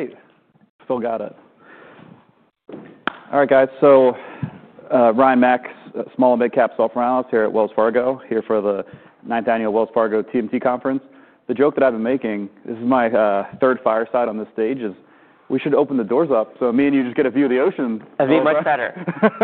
Right. Still got it. All right, guys. So, Ryan Macs, small and big cap software analyst here at Wells Fargo, here for the 9th Annual Wells Fargo TMT Conference. The joke that I've been making—this is my, third fireside on this stage—is we should open the doors up so me and you just get a view of the ocean. A view much better.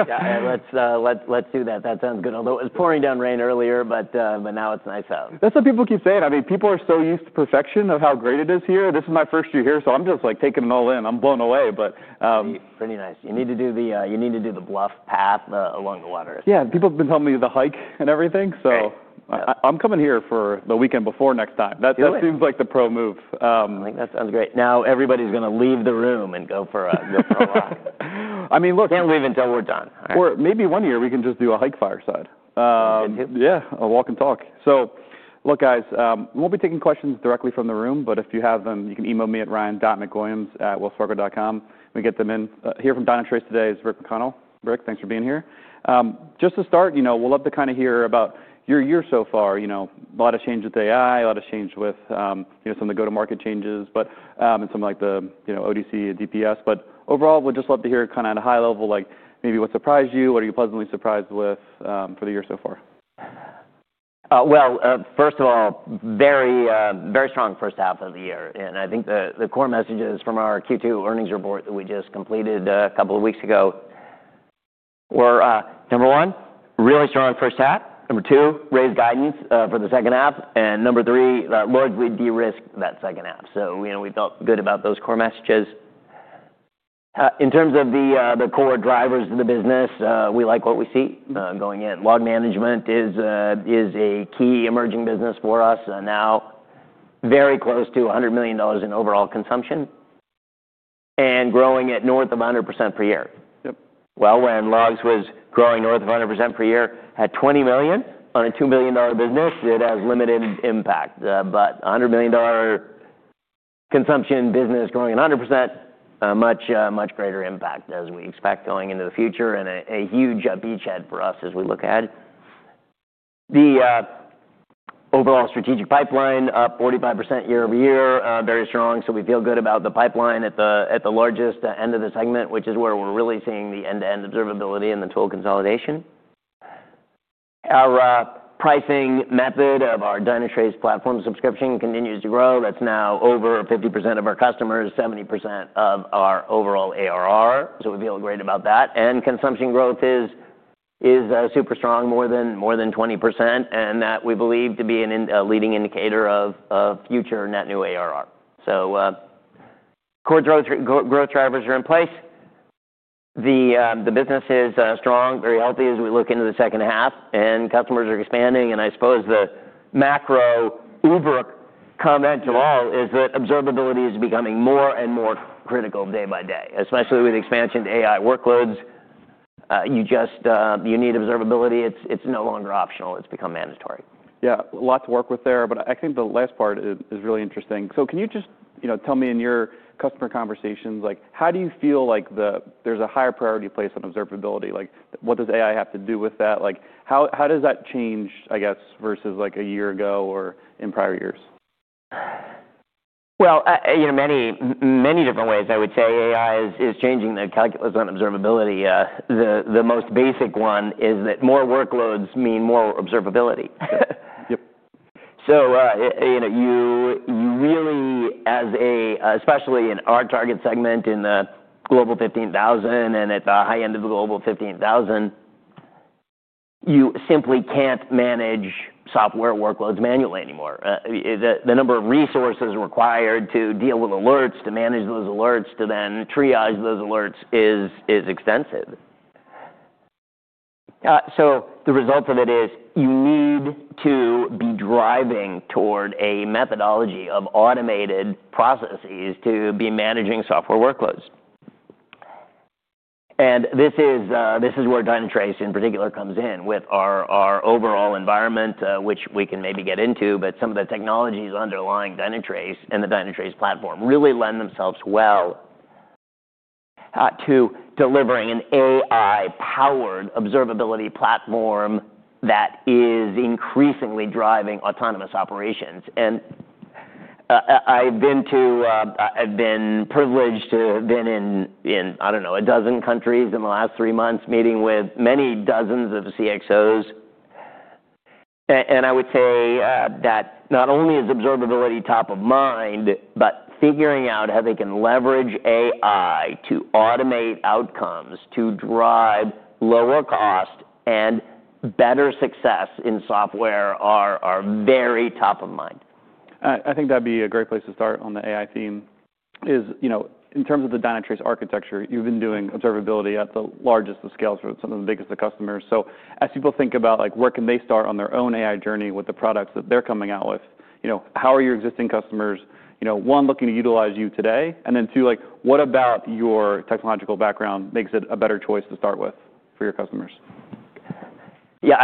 Yeah, let's, let's do that. That sounds good. Although it was pouring down rain earlier, but now it's nice out. That's what people keep saying. I mean, people are so used to perfection of how great it is here. This is my first year here, so I'm just, like, taking it all in. I'm blown away, but, Pretty, pretty nice. You need to do the, you need to do the bluff path along the water. Yeah. People have been telling me the hike and everything, so. Yeah. I'm coming here for the weekend before next time. Really? That seems like the pro move. I think that sounds great. Now everybody's gonna leave the room and go for a real pro hike. I mean, look. Can't leave until we're done. Or maybe one year we can just do a hike fireside. We can too. Yeah. A walk and talk. Look, guys, we won't be taking questions directly from the room, but if you have them, you can email me at ryan.macwilliams@wellsfargo.com. We get them in. Here from Dynatrace today is Rick McConnell. Rick, thanks for being here. Just to start, you know, we'd love to kinda hear about your year so far. You know, a lot of change with AI, a lot of change with, you know, some of the go-to-market changes, and some of, like, the, you know, ODC and DPS. Overall, we'd just love to hear kinda at a high level, like, maybe what surprised you, what are you pleasantly surprised with, for the year so far? First of all, very, very strong first half of the year. I think the core messages from our Q2 earnings report that we just completed a couple of weeks ago were, number one, really strong first half. Number two, raised guidance for the second half. Number three, largely de-risked that second half. You know, we felt good about those core messages. In terms of the core drivers of the business, we like what we see going in. Log management is a key emerging business for us, now very close to $100 million in overall consumption and growing at north of 100% per year. Yep. When Logs was growing north of 100% per year, had $20 million on a $2 billion business, it has limited impact. $100 million consumption business growing 100%, much, much greater impact as we expect going into the future and a huge beachhead for us as we look ahead. The overall strategic pipeline, 45% year over year, very strong. We feel good about the pipeline at the largest end of the segment, which is where we are really seeing the end-to-end observability and the total consolidation. Our pricing method of our Dynatrace platform subscription continues to grow. That is now over 50% of our customers, 70% of our overall ARR. We feel great about that. Consumption growth is super strong, more than 20%, and that we believe to be a leading indicator of future net new ARR. Core growth drivers are in place. The business is strong, very healthy as we look into the second half, and customers are expanding. I suppose the macro overlook comment of all is that observability is becoming more and more critical day by day, especially with expansion to AI workloads. You just, you need observability. It's no longer optional. It's become mandatory. Yeah. A lot to work with there. I think the last part is really interesting. Can you just, you know, tell me in your customer conversations, like, how do you feel like there's a higher priority placed on observability? What does AI have to do with that? How does that change, I guess, versus, like, a year ago or in prior years? You know, many, many different ways, I would say. AI is changing the calculus on observability. The most basic one is that more workloads mean more observability. Yep. You really, especially in our target segment in the global 15,000 and at the high end of the global 15,000, you simply can't manage software workloads manually anymore. The number of resources required to deal with alerts, to manage those alerts, to then triage those alerts is extensive. The result of it is you need to be driving toward a methodology of automated processes to be managing software workloads. This is where Dynatrace in particular comes in with our overall environment, which we can maybe get into, but some of the technologies underlying Dynatrace and the Dynatrace platform really lend themselves well to delivering an AI-powered observability platform that is increasingly driving autonomous operations. I've been privileged to have been in, I don't know, a dozen countries in the last three months meeting with many dozens of CXOs. I would say that not only is observability top of mind, but figuring out how they can leverage AI to automate outcomes to drive lower cost and better success in software are very top of mind. I think that'd be a great place to start on the AI theme is, you know, in terms of the Dynatrace architecture, you've been doing observability at the largest of scales for some of the biggest of customers. As people think about, like, where can they start on their own AI journey with the products that they're coming out with, you know, how are your existing customers, you know, one, looking to utilize you today? And then two, like, what about your technological background makes it a better choice to start with for your customers? Yeah.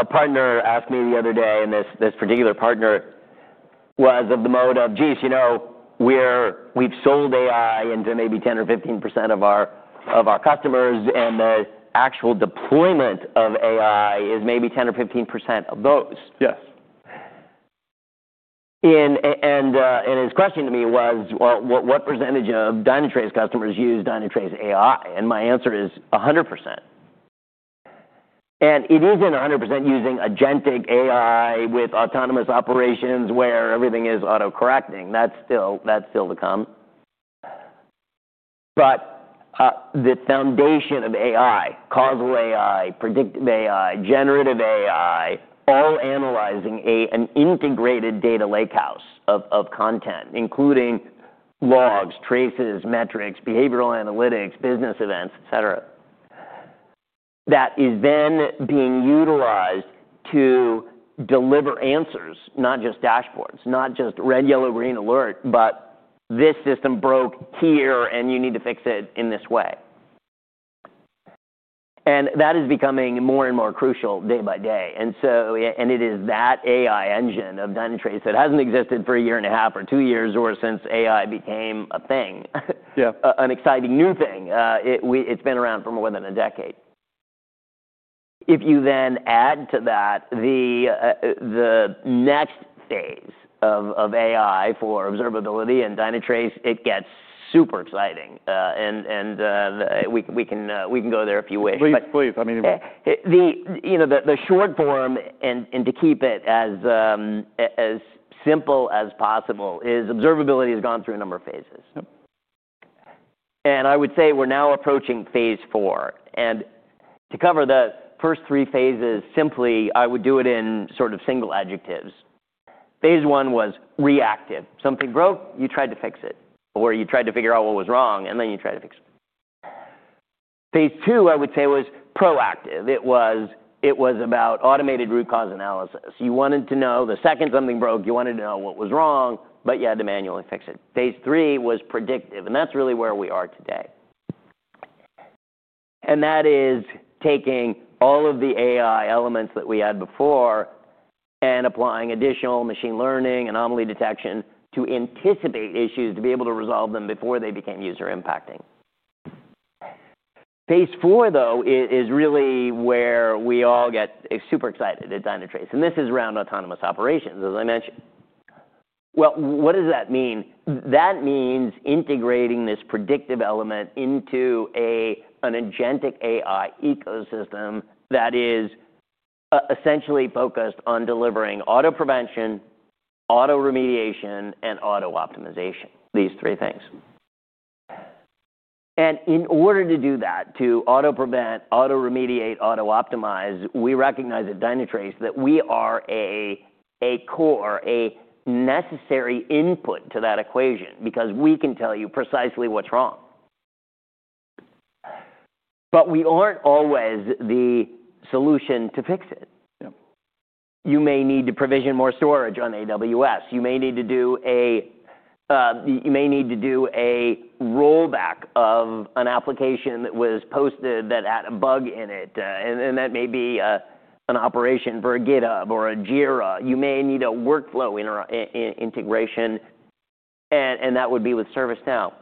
A partner asked me the other day, and this particular partner was of the mode of, "Geez, you know, we've sold AI into maybe 10% or 15% of our customers, and the actual deployment of AI is maybe 10% or 15% of those. Yes. His question to me was, "What percentage of Dynatrace customers use Dynatrace AI?" My answer is 100%. It is not 100% using agentic AI with autonomous operations where everything is auto-correcting. That is still to come. The foundation of AI, causal AI, predictive AI, generative AI, all analyzing an integrated data lakehouse of content, including logs, traces, metrics, behavioral analytics, business events, etc., that is then being utilized to deliver answers, not just dashboards, not just red, yellow, green alert, but this system broke here and you need to fix it in this way. That is becoming more and more crucial day by day. It is that AI engine of Dynatrace that has not existed for a year and a half or two years or since AI became a thing. Yeah. An exciting new thing. It, we, it's been around for more than a decade. If you then add to that the next phase of AI for observability and Dynatrace, it gets super exciting. We can go there if you wish. Please, please. I mean, you're welcome. The short form, and to keep it as simple as possible, is observability has gone through a number of phases. Yep. We're now approaching phase four. To cover the first three phases simply, I would do it in sort of single adjectives. Phase one was reactive. Something broke, you tried to fix it, or you tried to figure out what was wrong, and then you tried to fix it. Phase two, I would say, was proactive. It was about automated root cause analysis. You wanted to know the second something broke, you wanted to know what was wrong, but you had to manually fix it. Phase three was predictive. That's really where we are today. That is taking all of the AI elements that we had before and applying additional machine learning, anomaly detection to anticipate issues to be able to resolve them before they became user impacting. Phase four, though, is really where we all get super excited at Dynatrace. This is around autonomous operations, as I mentioned. What does that mean? That means integrating this predictive element into an agentic AI ecosystem that is essentially focused on delivering auto-prevention, auto-remediation, and auto-optimization, these three things. In order to do that, to auto-prevent, auto-remediate, auto-optimize, we recognize at Dynatrace that we are a core, a necessary input to that equation because we can tell you precisely what's wrong. We aren't always the solution to fix it. Yep. You may need to provision more storage on AWS. You may need to do a rollback of an application that was posted that had a bug in it, and that may be an operation for GitHub or Jira. You may need a workflow integration, and that would be with ServiceNow.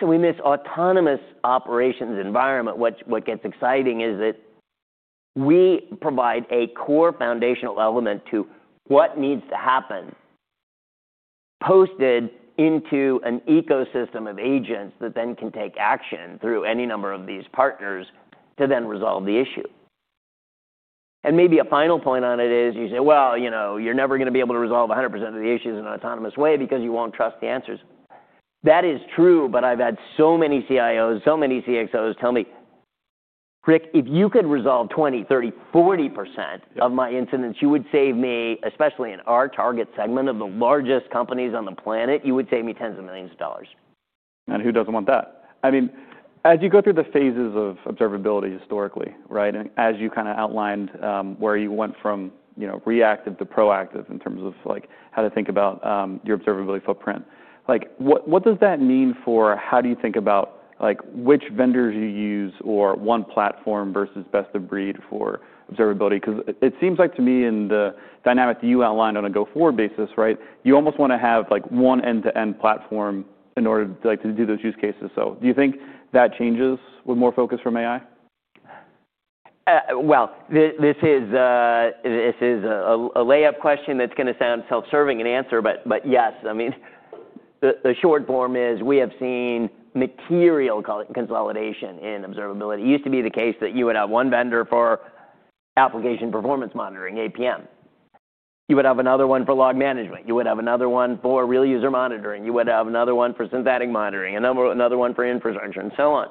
As we move to an autonomous operations environment, what gets exciting is that we provide a core foundational element to what needs to happen, posted into an ecosystem of agents that then can take action through any number of these partners to then resolve the issue. Maybe a final point on it is you say, "You know, you're never gonna be able to resolve 100% of the issues in an autonomous way because you won't trust the answers." That is true, but I've had so many CIOs, so many CXOs tell me, "Rick, if you could resolve 20%, 30%, 40% of my incidents, you would save me, especially in our target segment of the largest companies on the planet, you would save me tens of millions of dollars. Who doesn't want that? I mean, as you go through the phases of observability historically, right, and as you kinda outlined, where you went from, you know, reactive to proactive in terms of, like, how to think about your observability footprint, like, what does that mean for how do you think about, like, which vendors you use or one platform versus best of breed for observability? 'Cause it seems like to me in the dynamic that you outlined on a go-forward basis, right, you almost wanna have, like, one end-to-end platform in order to, like, to do those use cases. Do you think that changes with more focus from AI? This is a layup question that's gonna sound self-serving in answer, but yes. I mean, the short form is we have seen material consolidation in observability. It used to be the case that you would have one vendor for application performance monitoring, APM. You would have another one for log management. You would have another one for real user monitoring. You would have another one for synthetic monitoring, another one for infrastructure, and so on.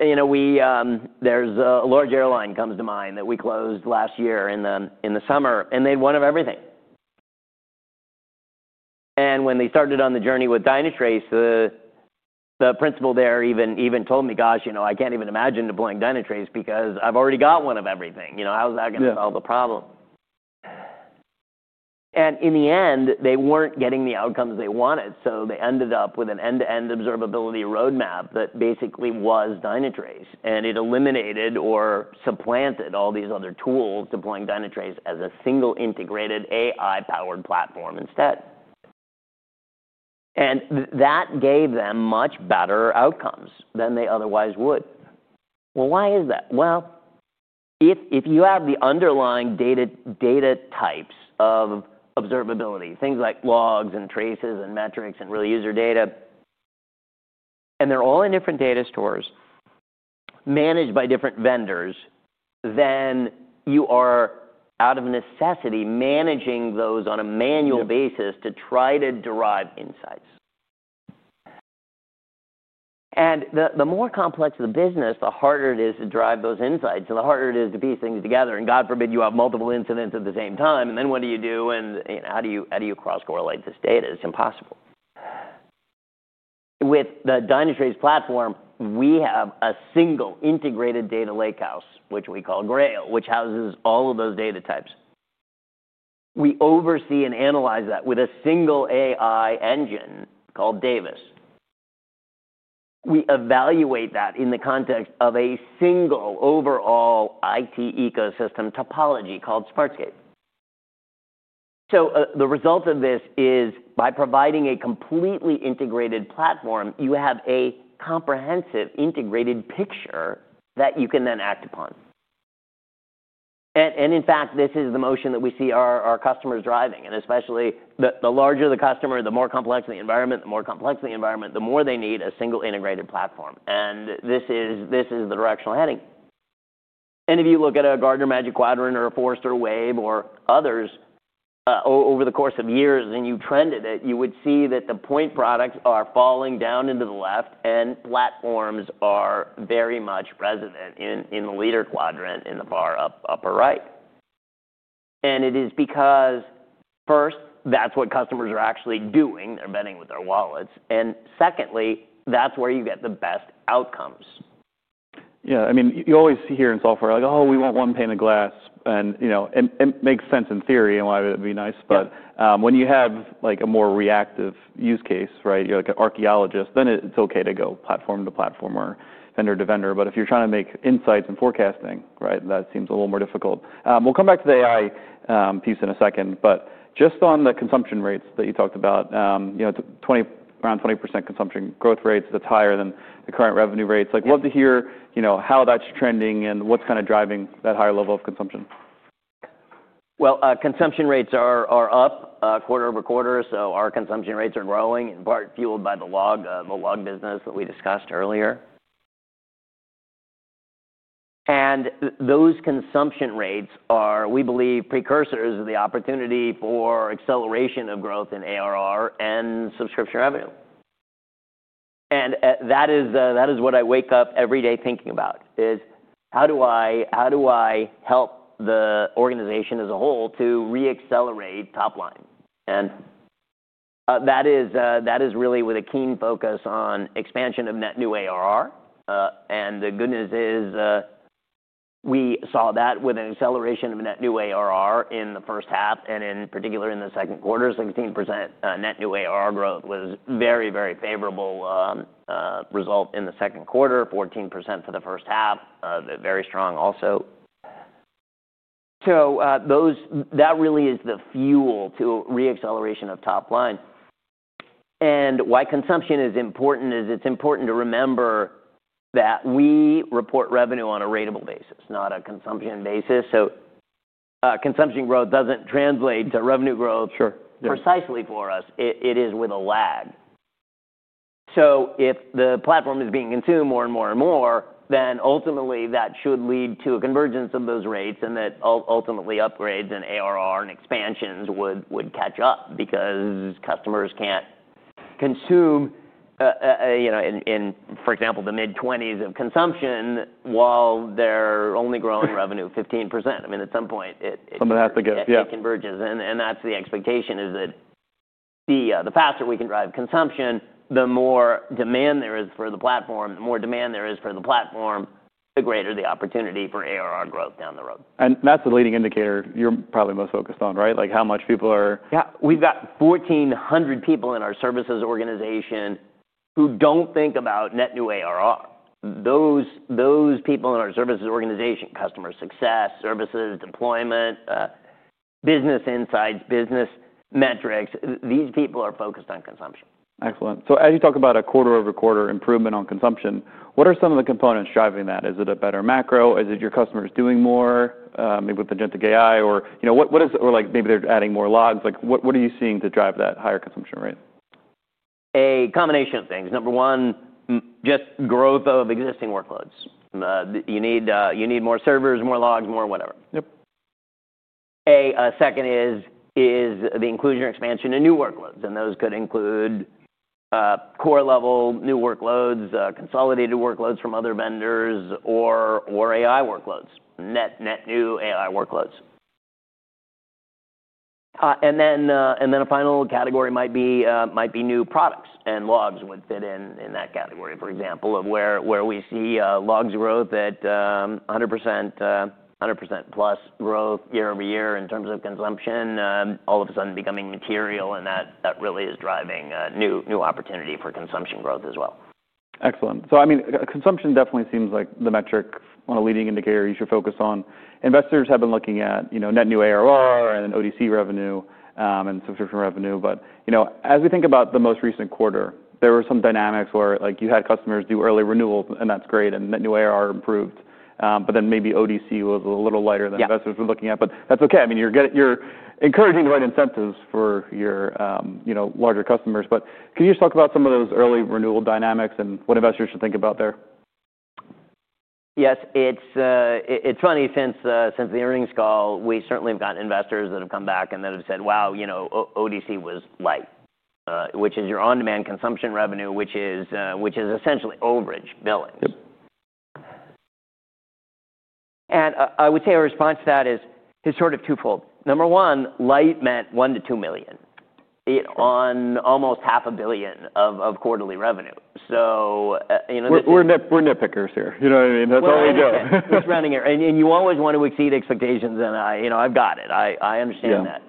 You know, there's a large airline comes to mind that we closed last year in the summer, and they had one of everything. When they started on the journey with Dynatrace, the principal there even told me, "Gosh, you know, I can't even imagine deploying Dynatrace because I've already got one of everything." You know, how's that gonna solve the problem? Yeah. In the end, they weren't getting the outcomes they wanted. They ended up with an end-to-end observability roadmap that basically was Dynatrace. It eliminated or supplanted all these other tools, deploying Dynatrace as a single integrated AI-powered platform instead. That gave them much better outcomes than they otherwise would. If you have the underlying data, data types of observability, things like logs and traces and metrics and real user data, and they're all in different data stores managed by different vendors, then you are out of necessity managing those on a manual basis to try to derive insights. The more complex the business, the harder it is to drive those insights, and the harder it is to piece things together. God forbid you have multiple incidents at the same time, and then what do you do? And, you know, how do you, how do you cross-correlate this data? It's impossible. With the Dynatrace platform, we have a single integrated data lakehouse, which we call Grail, which houses all of those data types. We oversee and analyze that with a single AI engine called Davis. We evaluate that in the context of a single overall IT ecosystem topology called Smartscape. The result of this is by providing a completely integrated platform, you have a comprehensive integrated picture that you can then act upon. In fact, this is the motion that we see our customers driving. Especially, the larger the customer, the more complex the environment, the more they need a single integrated platform. This is the direction we're heading. If you look at a Gartner Magic Quadrant or a Forrester Wave or others, over the course of years and you trended it, you would see that the point products are falling down into the left and platforms are very much resident in the leader quadrant in the far upper right. It is because, first, that's what customers are actually doing. They're betting with their wallets. Secondly, that's where you get the best outcomes. Yeah. I mean, you always hear in software, like, "Oh, we want one pane of glass." You know, it makes sense in theory and why it would be nice. Yeah. When you have, like, a more reactive use case, right, you're like an archaeologist, then it's okay to go platform to platform or vendor to vendor. If you're trying to make insights and forecasting, right, that seems a little more difficult. We'll come back to the AI piece in a second. Just on the consumption rates that you talked about, you know, around 20% consumption growth rates, that's higher than the current revenue rates. We'd love to hear, you know, how that's trending and what's kinda driving that higher level of consumption. Consumption rates are up, quarter over quarter. Our consumption rates are growing, in part fueled by the log business that we discussed earlier. Those consumption rates are, we believe, precursors of the opportunity for acceleration of growth in ARR and subscription revenue. That is what I wake up every day thinking about, is how do I help the organization as a whole to re-accelerate top line? That is really with a keen focus on expansion of net new ARR. The good news is, we saw that with an acceleration of net new ARR in the first half and in particular in the second quarter, 16% net new ARR growth was very, very favorable, result in the second quarter, 14% for the first half, very strong also. Those, that really is the fuel to re-acceleration of top line. Why consumption is important is it's important to remember that we report revenue on a ratable basis, not a consumption basis. Consumption growth doesn't translate to revenue growth. Sure. Precisely for us, it is with a lag. If the platform is being consumed more and more and more, then ultimately that should lead to a convergence of those rates and that ultimately upgrades and ARR and expansions would catch up because customers can't consume, you know, in, for example, the mid-20s of consumption while they're only growing revenue 15%. I mean, at some point, it, it. Somebody has to get, yeah. It converges. The expectation is that the faster we can drive consumption, the more demand there is for the platform, the greater the opportunity for ARR growth down the road. That's the leading indicator you're probably most focused on, right? Like, how much people are. Yeah. We've got 1,400 people in our services organization who do not think about net new ARR. Those people in our services organization, customer success, services, deployment, business insights, business metrics, these people are focused on consumption. Excellent. As you talk about a quarter over quarter improvement on consumption, what are some of the components driving that? Is it a better macro? Is it your customers doing more, maybe with agentic AI or, you know, what is or, like, maybe they're adding more logs? Like, what are you seeing to drive that higher consumption rate? A combination of things. Number one, just growth of existing workloads. You need, you need more servers, more logs, more whatever. Yep. Second is the inclusion or expansion of new workloads. Those could include core level new workloads, consolidated workloads from other vendors, or AI workloads, net new AI workloads. A final category might be new products. Logs would fit in that category, for example, where we see logs growth at 100% plus growth year over year in terms of consumption, all of a sudden becoming material. That really is driving new opportunity for consumption growth as well. Excellent. I mean, consumption definitely seems like the metric on a leading indicator you should focus on. Investors have been looking at, you know, net new ARR and ODC revenue, and subscription revenue. But, you know, as we think about the most recent quarter, there were some dynamics where, like, you had customers do early renewals, and that's great, and net new ARR improved. but then maybe ODC was a little lighter than. Yeah. Investors were looking at. That's okay. I mean, you're getting, you're encouraging the right incentives for your, you know, larger customers. Can you just talk about some of those early renewal dynamics and what investors should think about there? Yes. It's funny, since the earnings call, we certainly have gotten investors that have come back and that have said, "Wow, you know, ODC was light," which is your on-demand consumption revenue, which is essentially overage billing. Yep. I would say our response to that is, it's sort of twofold. Number one, like meant $1 million to $2 million. Yep. On almost half a billion of quarterly revenue. You know, this is. We're nitpickers here. You know what I mean? That's all we do. We're just rounding here. You always wanna exceed expectations. I, you know, I've got it. I understand that.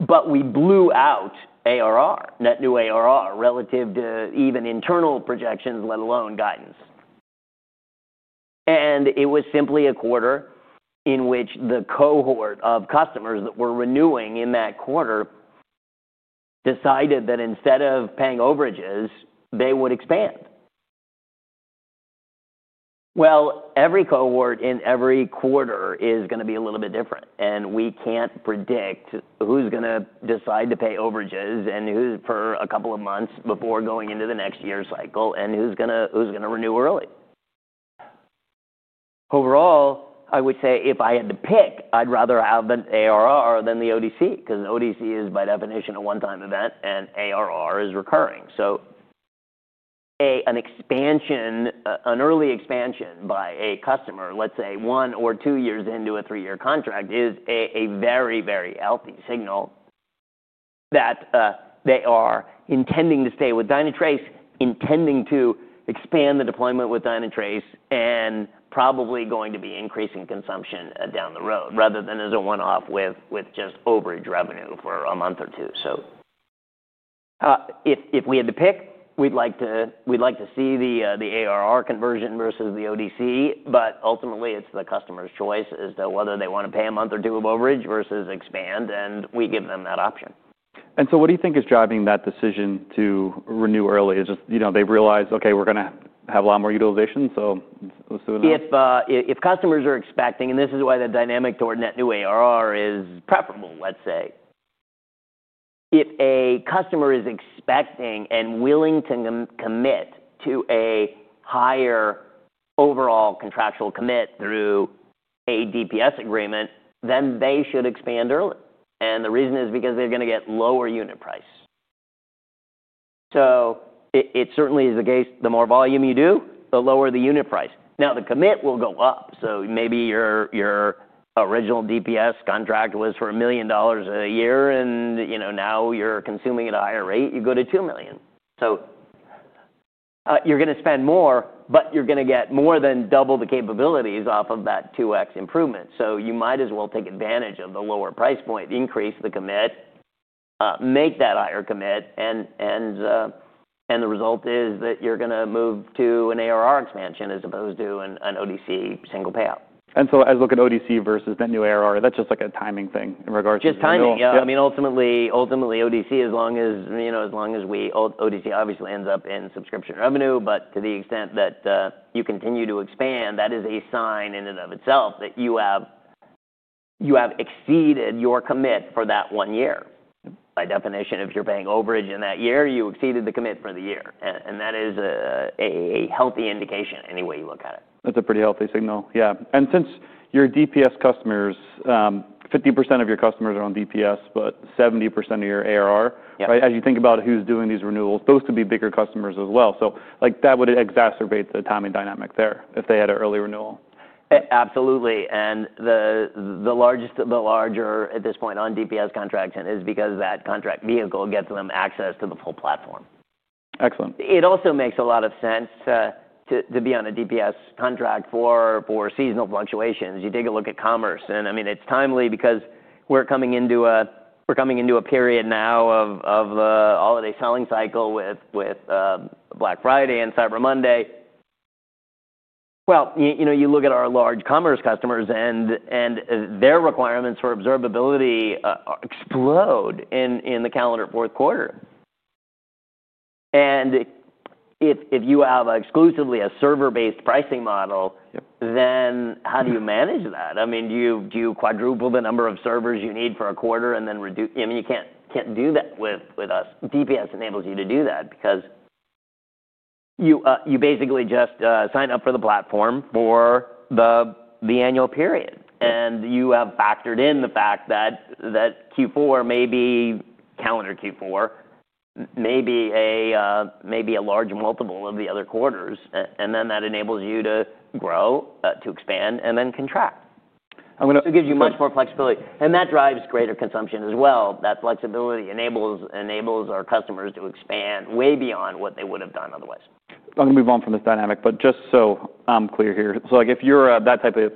Yeah. We blew out ARR, net new ARR, relative to even internal projections, let alone guidance. It was simply a quarter in which the cohort of customers that were renewing in that quarter decided that instead of paying overages, they would expand. Every cohort in every quarter is gonna be a little bit different. We cannot predict who's gonna decide to pay overages and who's for a couple of months before going into the next year cycle and who's gonna renew early. Overall, I would say if I had to pick, I'd rather have the ARR than the ODC because ODC is by definition a one-time event and ARR is recurring. An expansion, an early expansion by a customer, let's say one or two years into a three-year contract, is a very, very healthy signal that they are intending to stay with Dynatrace, intending to expand the deployment with Dynatrace, and probably going to be increasing consumption down the road rather than as a one-off with just overage revenue for a month or two. If we had to pick, we'd like to see the ARR conversion versus the ODC. Ultimately, it's the customer's choice as to whether they want to pay a month or two of overage versus expand. We give them that option. What do you think is driving that decision to renew early? Is it just, you know, they've realized, "Okay, we're gonna have a lot more utilization, so let's do it now"? If customers are expecting, and this is why the dynamic toward net new ARR is preferable, let's say, if a customer is expecting and willing to commit to a higher overall contractual commit through a DPS agreement, then they should expand early. The reason is because they're gonna get lower unit price. It certainly is the case the more volume you do, the lower the unit price. Now, the commit will go up. Maybe your original DPS contract was for $1 million a year, and, you know, now you're consuming at a higher rate, you go to $2 million. You're gonna spend more, but you're gonna get more than double the capabilities off of that 2X improvement. You might as well take advantage of the lower price point, increase the commit, make that higher commit, and the result is that you're gonna move to an ARR expansion as opposed to an ODC single payout. As you look at ODC versus net new ARR, that's just like a timing thing in regards to. Just timing, yeah. I mean, ultimately, ODC, as long as, you know, as long as ODC obviously ends up in subscription revenue. To the extent that you continue to expand, that is a sign in and of itself that you have exceeded your commit for that one year. By definition, if you're paying overage in that year, you exceeded the commit for the year. That is a healthy indication any way you look at it. That's a pretty healthy signal. Yeah. And since your DPS customers, 50% of your customers are on DPS, but 70% of your ARR. Yep. Right? As you think about who's doing these renewals, those could be bigger customers as well. Like, that would exacerbate the timing dynamic there if they had an early renewal. Absolutely. The larger at this point on DPS contracts is because that contract vehicle gets them access to the full platform. Excellent. It also makes a lot of sense to be on a DPS contract for seasonal fluctuations. You take a look at commerce. I mean, it's timely because we're coming into a period now of the holiday selling cycle with Black Friday and Cyber Monday. You know, you look at our large commerce customers, and their requirements for observability explode in the calendar fourth quarter. If you have exclusively a server-based pricing model. Yep. How do you manage that? I mean, do you quadruple the number of servers you need for a quarter and then redu—I mean, you cannot do that with us. DPS enables you to do that because you basically just sign up for the platform for the annual period. And you have factored in the fact that Q4, maybe calendar Q4, maybe a large multiple of the other quarters. That enables you to grow, to expand, and then contract. I'm gonna. It gives you much more flexibility. That drives greater consumption as well. That flexibility enables our customers to expand way beyond what they would have done otherwise. I'm gonna move on from this dynamic, but just so I'm clear here. So, like, if you're that type of,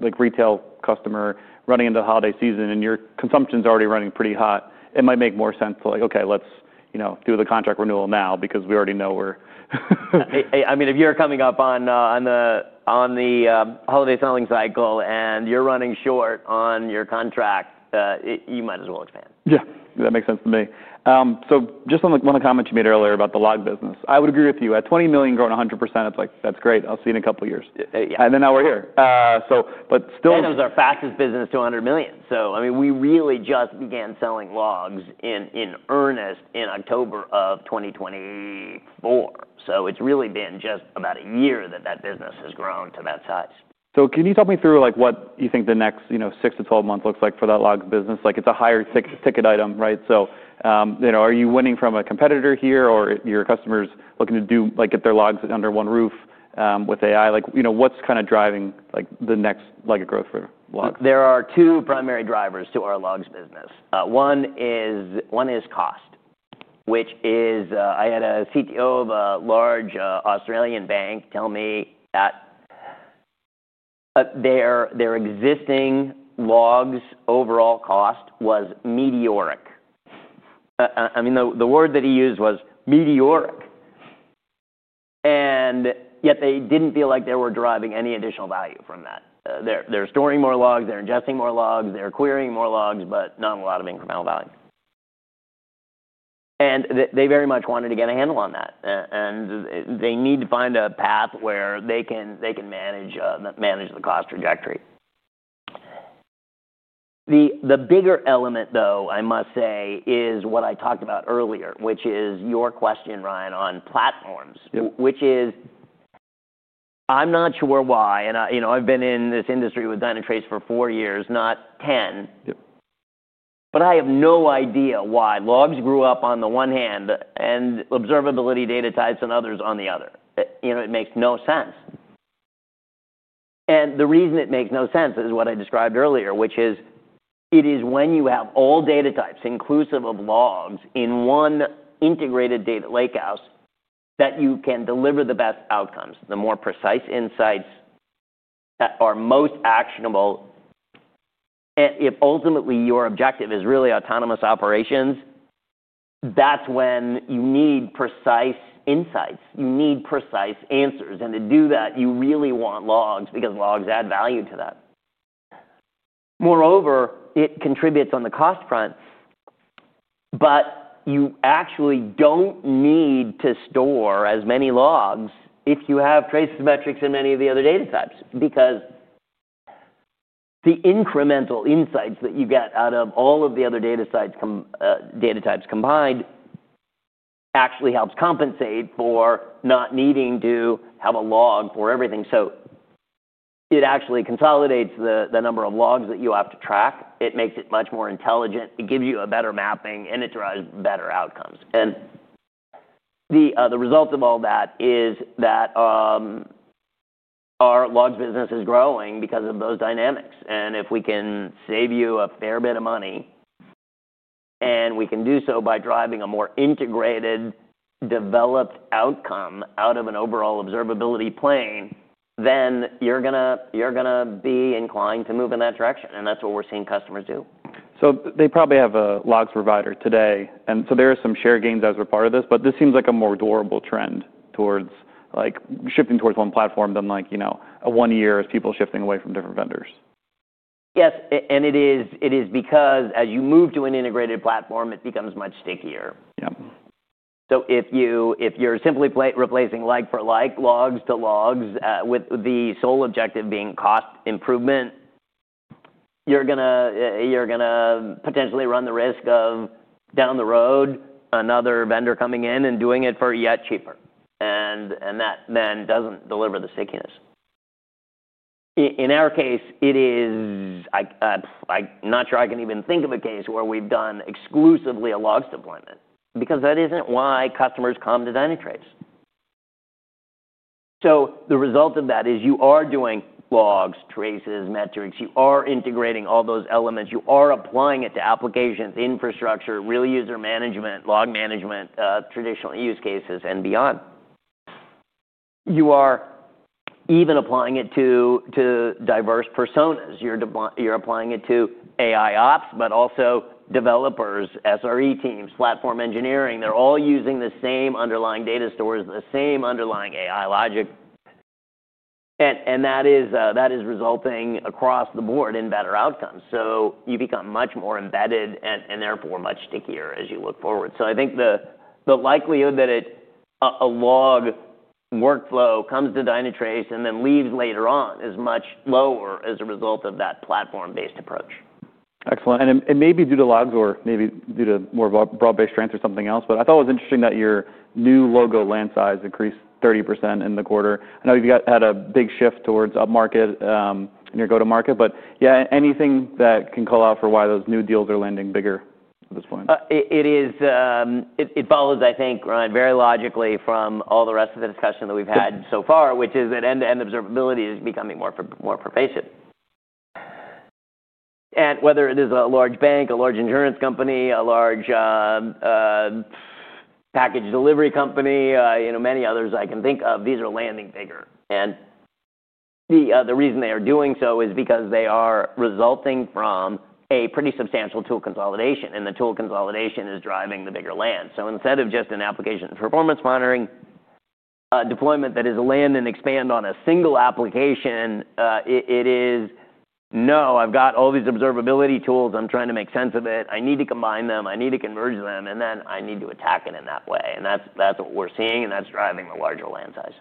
like, retail customer running into the holiday season and your consumption's already running pretty hot, it might make more sense to, like, "Okay, let's, you know, do the contract renewal now because we already know we're. I mean, if you're coming up on the holiday selling cycle and you're running short on your contract, you might as well expand. Yeah. That makes sense to me. So just on the one comment you made earlier about the log business, I would agree with you. At $20 million, growing 100%, it's like, "That's great. I'll see you in a couple of years. Y-yeah. Now we're here, but still. It was our fastest business, $200 million. I mean, we really just began selling logs in earnest in October of 2024. It has really been just about a year that that business has grown to that size. Can you talk me through, like, what you think the next, you know, 6 to 12 months looks like for that logs business? Like, it's a higher ticket item, right? So, you know, are you winning from a competitor here or your customers looking to do, like, get their logs under one roof, with AI? Like, you know, what's kinda driving, like, the next leg of growth for logs? There are two primary drivers to our logs business. One is cost, which is, I had a CTO of a large Australian bank tell me that their existing logs overall cost was meteoric. I mean, the word that he used was meteoric. And yet they did not feel like they were driving any additional value from that. They are storing more logs, they are ingesting more logs, they are querying more logs, but not a lot of incremental value. They very much wanted to get a handle on that. They need to find a path where they can manage the cost trajectory. The bigger element, though, I must say, is what I talked about earlier, which is your question, Ryan, on platforms. Yep. Which is, I'm not sure why. And I, you know, I've been in this industry with Dynatrace for four years, not ten. Yep. I have no idea why logs grew up on the one hand and observability data types and others on the other. You know, it makes no sense. The reason it makes no sense is what I described earlier, which is it is when you have all data types, inclusive of logs, in one integrated data lakehouse that you can deliver the best outcomes, the more precise insights that are most actionable. If ultimately your objective is really autonomous operations, that's when you need precise insights. You need precise answers. To do that, you really want logs because logs add value to that. Moreover, it contributes on the cost front, but you actually do not need to store as many logs if you have traces and metrics in many of the other data types because the incremental insights that you get out of all of the other data types combined actually helps compensate for not needing to have a log for everything. It actually consolidates the number of logs that you have to track. It makes it much more intelligent. It gives you a better mapping and it drives better outcomes. The result of all that is that our logs business is growing because of those dynamics. If we can save you a fair bit of money and we can do so by driving a more integrated, developed outcome out of an overall observability plane, then you're gonna be inclined to move in that direction. That is what we're seeing customers do. They probably have a logs provider today. There are some share gains as a part of this, but this seems like a more durable trend towards, like, shifting towards one platform than, like, you know, a one-year as people shifting away from different vendors. Yes. And it is because as you move to an integrated platform, it becomes much stickier. Yep. If you're simply replacing like for like, logs to logs, with the sole objective being cost improvement, you're gonna potentially run the risk of down the road another vendor coming in and doing it for yet cheaper. That then doesn't deliver the stickiness. In our case, I'm not sure I can even think of a case where we've done exclusively a logs deployment because that isn't why customers come to Dynatrace. The result of that is you are doing logs, traces, metrics. You are integrating all those elements. You are applying it to applications, infrastructure, real user management, log management, traditional use cases, and beyond. You are even applying it to diverse personas. You're deploying, you're applying it to AIOps, but also developers, SRE teams, platform engineering. They're all using the same underlying data stores, the same underlying AI logic, and that is resulting across the board in better outcomes. You become much more embedded and therefore much stickier as you look forward. I think the likelihood that a log workflow comes to Dynatrace and then leaves later on is much lower as a result of that platform-based approach. Excellent. Maybe due to logs or maybe due to more of a broad-based strength or something else. I thought it was interesting that your new logo land size increased 30% in the quarter. I know you've had a big shift towards upmarket in your go-to-market. Yeah, anything that can call out for why those new deals are landing bigger at this point? It follows, I think, Ryan, very logically from all the rest of the discussion that we've had so far, which is that end-to-end observability is becoming more pervasive. Whether it is a large bank, a large insurance company, a large package delivery company, you know, many others I can think of, these are landing bigger. The reason they are doing so is because they are resulting from a pretty substantial tool consolidation. The tool consolidation is driving the bigger land. Instead of just an application performance monitoring deployment that is land and expand on a single application, it is, "No, I've got all these observability tools. I'm trying to make sense of it. I need to combine them. I need to converge them. I need to attack it in that way. That's what we're seeing, and that's driving the larger land size.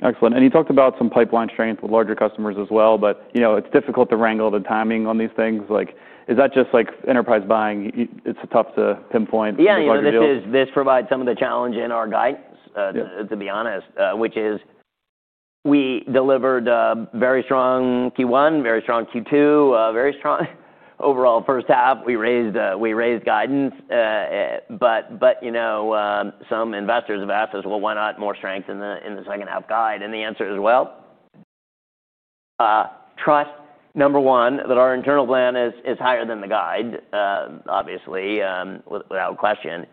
Excellent. You talked about some pipeline strength with larger customers as well. You know, it's difficult to wrangle the timing on these things. Like, is that just, like, enterprise buying? It's tough to pinpoint. Yeah. Larger deals? Yeah. This provides some of the challenge in our guidance, to be honest, which is we delivered very strong Q1, very strong Q2, very strong overall first half. We raised, we raised guidance, but, you know, some investors have asked us, "Why not more strength in the second half guide?" The answer is, trust, number one, that our internal plan is higher than the guide, obviously, without question.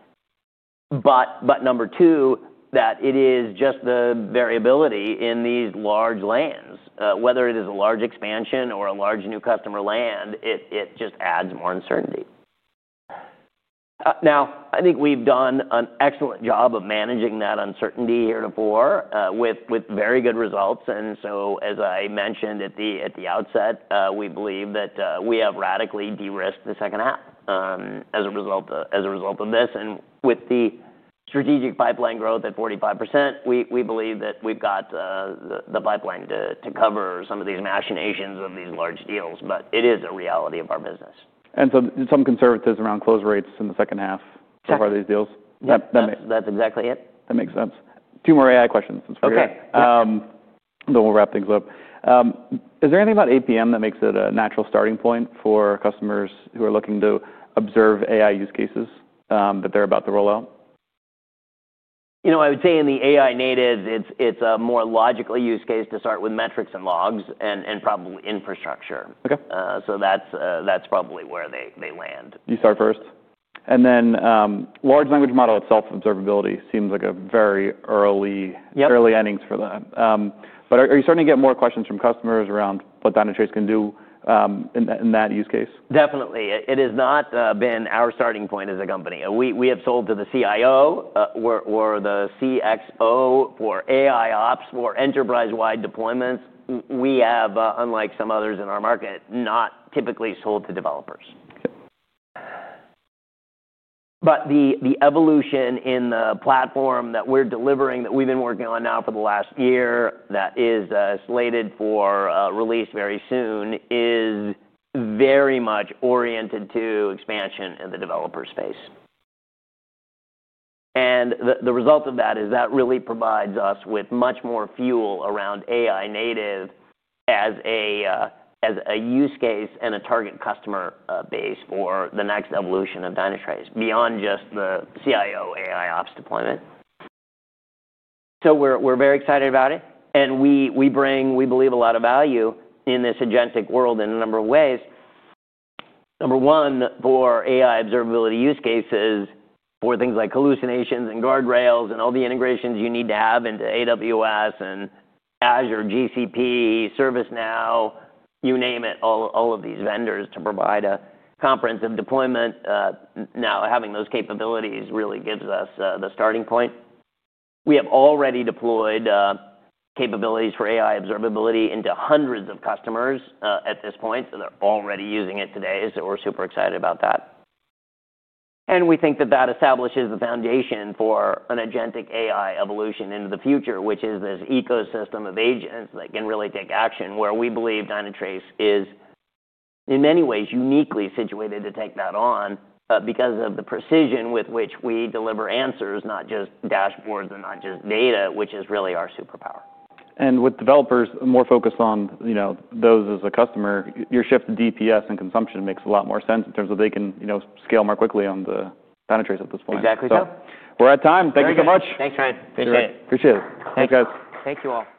Number two, it is just the variability in these large lands. Whether it is a large expansion or a large new customer land, it just adds more uncertainty. Now, I think we have done an excellent job of managing that uncertainty heretofore, with very good results. As I mentioned at the outset, we believe that we have radically de-risked the second half as a result of this. With the strategic pipeline growth at 45%, we believe that we have the pipeline to cover some of these machinations of these large deals. It is a reality of our business. Some conservatism around close rates in the second half. Yep. Of all these deals, that makes. That's exactly it. That makes sense. Two more AI questions since we're here. Okay. Then we'll wrap things up. Is there anything about APM that makes it a natural starting point for customers who are looking to observe AI use cases that they're about to roll out? You know, I would say in the AI natives, it's, it's a more logical use case to start with metrics and logs and, and probably infrastructure. Okay. That's probably where they land. You start first. Then, large language model itself, observability seems like a very early. Yep. Early innings for that. Are you starting to get more questions from customers around what Dynatrace can do in that use case? Definitely. It has not been our starting point as a company. We have sold to the CIO, or the CXO for AIOps for enterprise-wide deployments. We have, unlike some others in our market, not typically sold to developers. Yep. The evolution in the platform that we're delivering that we've been working on now for the last year that is slated for release very soon is very much oriented to expansion in the developer space. The result of that is that really provides us with much more fuel around AI native as a use case and a target customer base for the next evolution of Dynatrace beyond just the CIO AIOps deployment. We're very excited about it. We bring, we believe, a lot of value in this agentic world in a number of ways. Number one, for AI observability use cases, for things like hallucinations and guardrails and all the integrations you need to have into AWS and Azure, GCP, ServiceNow, you name it, all of these vendors to provide a comprehensive deployment. Now, having those capabilities really gives us the starting point. We have already deployed capabilities for AI observability into hundreds of customers at this point. They are already using it today. We are super excited about that. We think that establishes the foundation for an agentic AI evolution into the future, which is this ecosystem of agents that can really take action where we believe Dynatrace is, in many ways, uniquely situated to take that on because of the precision with which we deliver answers, not just dashboards and not just data, which is really our superpower. With developers more focused on, you know, those as a customer, your shift to DPS and consumption makes a lot more sense in terms of they can, you know, scale more quickly on Dynatrace at this point. Exactly so. We're at time. Thank you so much. Thanks, Ryan. Thanks, Ryan. Appreciate it. Thanks. Thanks, guys. Thank you all.